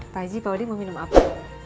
pak ji pak odi mau minum apa